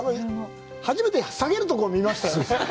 初めて下げるところを見ましたよね。